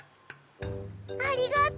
ありがとう！